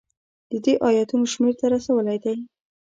د دې ایتونو شمېر ته رسولی دی.